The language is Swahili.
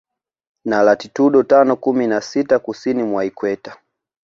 Na latitudo tano kumi na sita Kusini mwa Ikweta